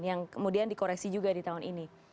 yang kemudian dikoreksi juga di tahun ini